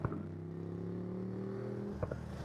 ভালোভাবে চলাফেরা করতে পারে না।